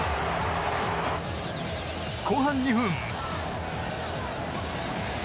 後半２分。